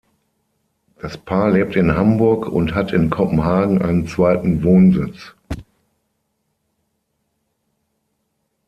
Das Paar lebt in Hamburg und hat in Kopenhagen einen zweiten Wohnsitz.